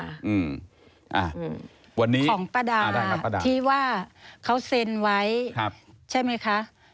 ของป้าดาที่ว่าเขาเซ็นไว้ใช่ไหมคะ